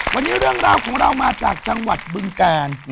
วันนี้เรื่องราวของเรามาจากจังหวัดบึงกาล